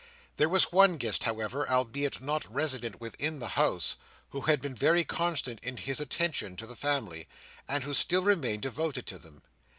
There was one guest, however, albeit not resident within the house, who had been very constant in his attentions to the family, and who still remained devoted to them.